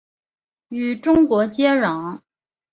与中国接壤。